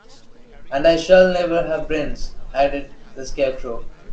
"And I shall never have brains," added the Scarecrow.